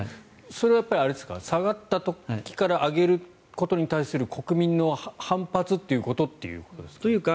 それは下がった時から上げることに対する国民の反発っていうことっていうことですか？